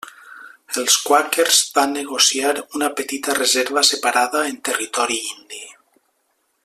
Els quàquers van negociar una petita reserva separada en Territori Indi.